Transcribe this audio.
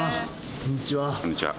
こんにちは。